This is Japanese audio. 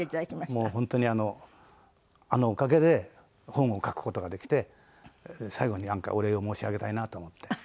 もう本当にあのおかげで本を書く事ができて最後になんかお礼を申し上げたいなと思って。